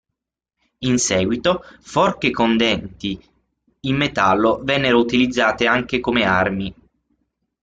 In seguito, forche con denti in metallo vennero utilizzate anche come armi.